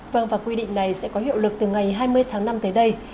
vâng và quy định này sẽ có hiệu lực từ ngày hai mươi tháng năm tới đây